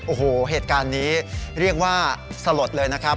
โอ้โหเหตุการณ์นี้เรียกว่าสลดเลยนะครับ